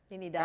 ini data ya